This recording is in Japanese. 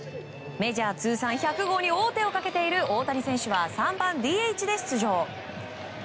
メジャー通算１００号に王手をかけている大谷選手は３番ＤＨで出場。